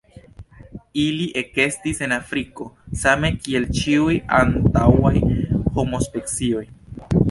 Ili ekestis en Afriko, same kiel ĉiuj antaŭaj homospecioj.